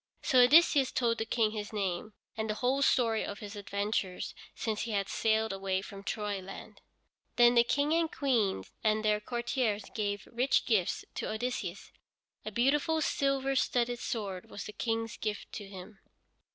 So Odysseus told the King his name, and the whole story of his adventures since he had sailed away from Troyland. Then the King and Queen and their courtiers gave rich gifts to Odysseus. A beautiful silver studded sword was the King's gift to him.